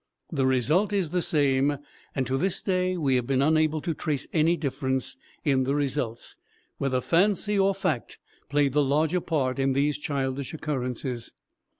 The result is the same, and to this day we have been unable to trace any difference in the results, whether fancy or fact played the larger part in these childish occurrences.